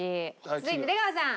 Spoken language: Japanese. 続いて出川さん。